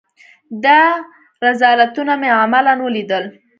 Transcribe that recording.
دا رذالتونه مې عملاً وليدل.